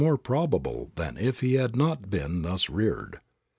more probable than if he had not been thus reared.